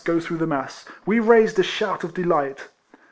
49 go through the mass, we raised a shout of delight.